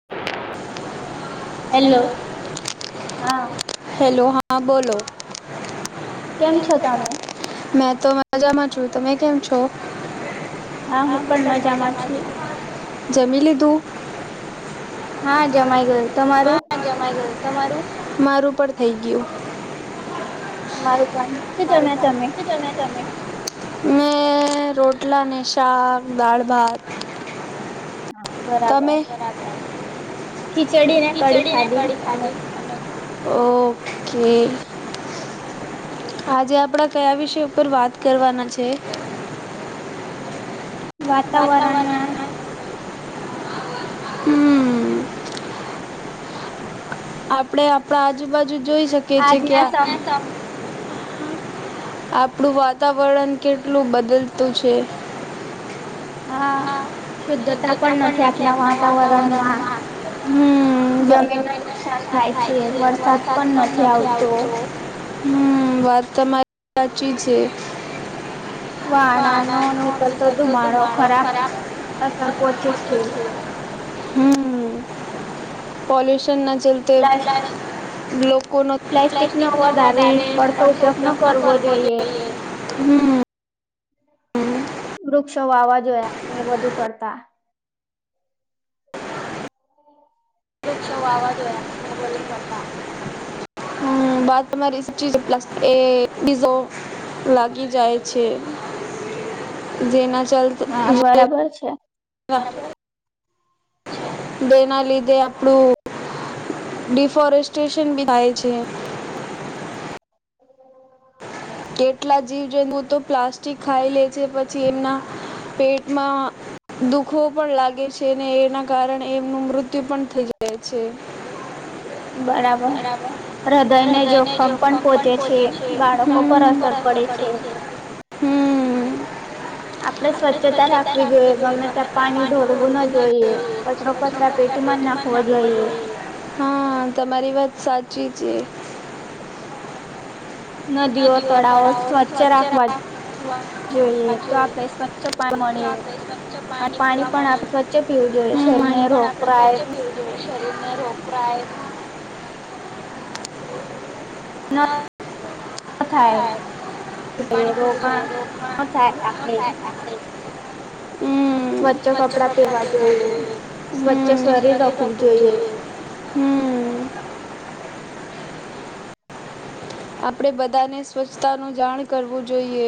[inaudible] Hello હા hello હા બોલો કેમ છો તમે? મેં તો મજામાં છું. તમે કેમ છો? હા હું પણ મજામાં છું. જમી લીધું? હા જમાઈ ગયું. તમારું? હા જમાઈ ગયું. તમારું? મારું પણ થઇ ગયું. અમારું પણ. શું જમ્યા તમે? હમ રોટલા ને શાક દાળ ભાત, હા બરાબર તમે? ખીચડી ને કડી ખીચડીને કડી અમે ખાધી! ઓ ઓકે આજે આપડે કયા વિષય ઉપર વાત કરવાના છે? વાતાવરણના વાતાવરણમાં ને આપડે આપણા આજુબાજુ જોઈ શકીએ છીએ કે આજના સમ [inaudible] આપણું વાતાવરણ કેટલું બદલતું છે. હા શુદ્ધતા પણ નથી આપણા વાતાવરણમાં, હમ જમીનને થાય છે, વરસાદ પણ નથી આવતો હમ વાત તમારી સાચી જ છે. વાણા નો નીકળતો ધુમાડો ખરાબ અસર પોહોચી છે. હમ પલ્યુશન ના ચલતે પ્લાસ લોકો પ્લાસ્ટિક ન વધારે અડખો ઉપયોગ ન કરવો જોઈએ હમ વૃક્ષો વાવવાજોએ અને વધુ પડતા વૃક્ષો વાવા જોઈએ કરતા. હ હમ વાત તમારી પ્લએઝો લાગી જાય છે, જેના ચાલતા હા જે બરાબર છે વાહ તો એના લીધે અ આપડુ ડડીિ ફોરેસ્ટેશન બી થાય છે. હમ કેટલા જીવ જંતુ તો પ્લાસ્ટિક ખાઈ લે છે, પછી એમના પેટમાં દુઃખ ભૂખ પણ લાગે છે, અને એના કારણે એમનું મૃત્યુ પણ થઈ જાય છે. બરાબર હૃદયને જોખમ પણ પોહોંચે છે, બાળકો ઉપર અસર પડે છે. આપણે સ્વચ્છતા રાખવી જોઈએ ગમે ત્યાં આપણે પાણી જમવાનું ઢોળવું ન જોોડવું જોઈએ. કચરો કચરા પેટીમાં જ ન નાખવો જોઈએ હા તમારી વાત સાચી છે. નદીઓ તળાવ ઓ સ્વચ્છ રહ [unintelligible] જોઈએ તો આપણે સ્વચ્છ પાણી મળે. અને પાણી પણ આપણે સ્વચ્છ પીવું જોઈએ હમ શરીરને પાણી પણ આપણે રોગરાય વચ્ચે ન પીવું જોઈએ શરીરને રોકરાય ન થાય [unintelligible] પાણી રોગમાં પીવું ન જોઈએમાં આપણે થાય હમ હ સ્વચ્છ કપડા પહેરવા જોઈએ સ્વચ્છ સ્વરછ રાખવું શરીર જોઈએ. રાખવું જોઈઈએ હમ આપણે બધાને સ્વચ્છતાનું જાણ કરવું જોઈએ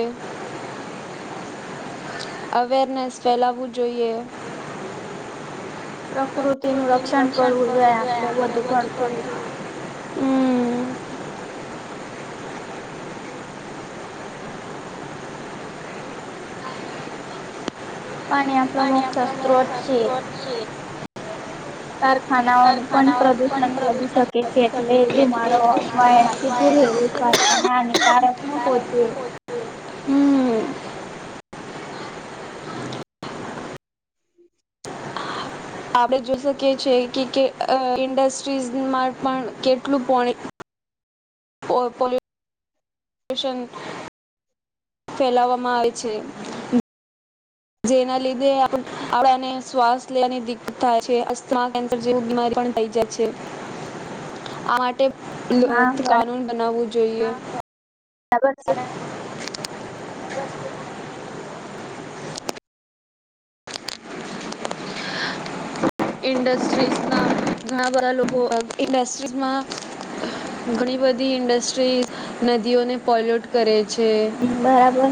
અવેરનેસ ફેલાવવું જોઈએ પ્રકૃતિનું રક્ષણ કરવું જોઈએ આપડણે વધુ પડતું હમ પાણી આપણો મુખ્ય સ્ત્રોત મુખ્ય છે. સ્ત્રોત છે કારખાનાઓનું પણ કારખાનાઓ પણ પ્રદુષણ વધી પ્રદૂષણ શકે છે વધી શકે એટલે ધુમાડો અથવા એનાથી દૂર રહેવું સ્વાસ્થ્યને હાનિકારક ના એટલે પહોંચે ધુમાડો હમ આપણે જોઈ શકીએ છીએ કે કે ઇન્ડસ્ટ્રીઝમાં પણ કેટલું પોણી પોલ પોલ પોલ્યુશન ફેલાવવામાં આવે છે જેના લીધે [inaudible] આપને શ્વાસ લેવાની દિકકત થાય છે [inaudible] જેવી બીમારી પણ થઈ જાય છે આ હા માટે કાનૂન બનાવવું જોઈએ ખબર છે ઇન્ડસ્ટ્રીઝના ઘણા બધા લોકો ઇન્ડસ્ટ્રીઝમાં ઘણી બધી ઇન્ડસ્ટ્રી નદીઓને પોલ્યુટ કરે છે હમ બરાબર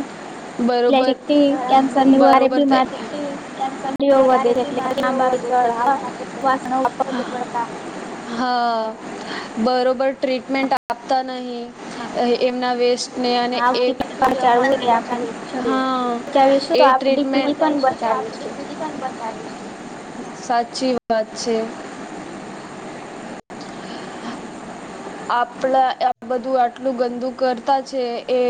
બરોબર પ્લાસ્ટિક થી કેન્સર ની વારે બરોબર તય બીમારીઓ [unintelligible] વધારે બીમારી હો હા [inaudible] હા બરોબર ટ્રીટમેન્ટ આપતા નહી એમના વેસ્ અને અને આવતી બચાવવું એ આપણે શકે હા એ ટ્રીટમેન્ટ તો ચાલે છે [inaudible] સાચી વાત છે આપણા આ બધું આટલું બધું કરતા છે એ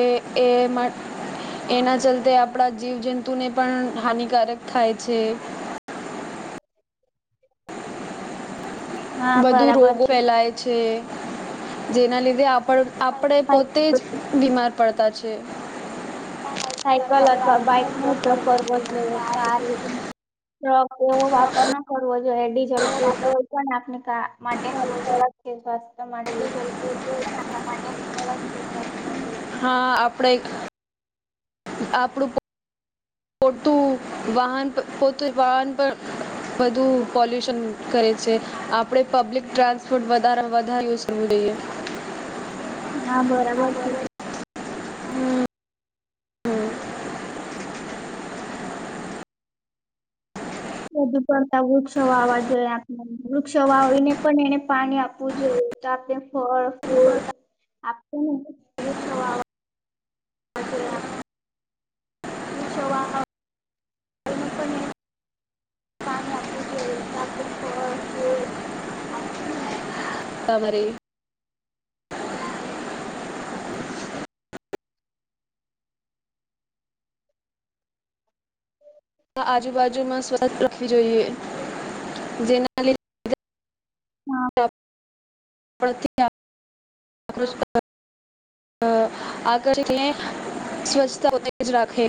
એ માટ એના ચલતે આપણા જીવ જંતુ ને પણ હાનિકારક થાય છે હા વધુ બરાબર રોગો છે ફેલાય જેના લીધે આપ આપણે પોતે જ બીમાર પડતા છે સાયકલ અથવા બાઈકનો ઉપયોગ કરવો જોઈએ શારીરિક ટ્રકનો વાપર ન કરવો જોઈએ ડીઝલ પેટ્રોલ પણ આપને કા માટે રાખે છે સ્વાસ્થ્ય માટે હા આપણે આપણું પો પોતું વાહન પર પોતુ વાહન પર વધુ પોલ્યુશન કરે છે આપડે પબ્લિક ટ્રાન્સપોર્ટ વધારે વધારે કરવું જોઈએ ના બરાબર છે વધુ પડતા વૃક્ષ વાવવા જોઈએ વૃક્ષ વાવીને પણ એને પાણી આપવું જોઈએ તો આપણે ફળ ફૂટ આપ [unintelligible] [inaudible] તમારે [inaudible] આજુબાજુમાં સ્વસ્થ રાખવી જોઈએ જેના લી હા [inaudible] આ [inaudible] સ્વચ્છતા પોતે જ રાખે